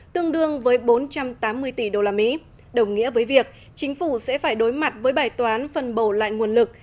tương đương với bốn trăm tám mươi tỷ đô la mỹ đồng nghĩa với việc chính phủ sẽ phải đối mặt với bài toán phân bầu lại nguồn lực